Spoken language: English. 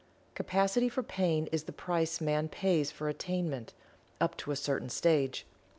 Capacity for pain is the price Man pays for Attainment, up to a certain stage.